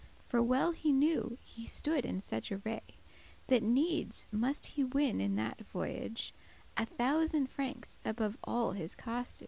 * *parrot For well he knew he stood in such array That needes must he win in that voyage A thousand francs, above all his costage.